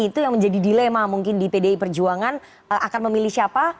itu yang menjadi dilema mungkin di pdi perjuangan akan memilih siapa